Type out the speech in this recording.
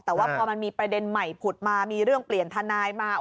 แต่ว่าพอมันมีประเด็นใหม่ผุดมามีเรื่องเปลี่ยนทนายมา